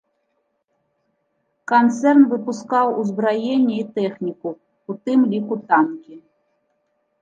Канцэрн выпускаў узбраенне і тэхніку, у тым ліку танкі.